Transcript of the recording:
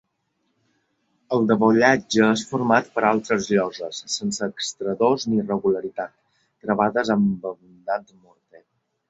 El dovellatge és format per altres lloses, sense extradós ni regularitat, travades amb abundant morter.